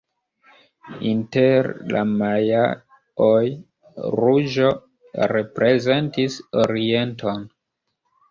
Inter la majaoj ruĝo reprezentis orienton.